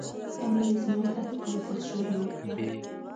امیر اسماعیل اته کاله پاچاهي وکړه.